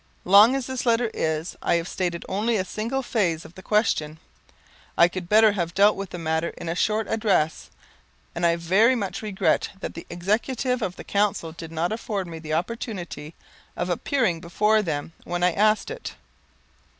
Long as this letter is, I have stated only a single phase of the question. I could better have dealt with the matter in a short address, and I very much regret that the Executive of the Council did not afford me the opportunity of appearing before them when I asked it.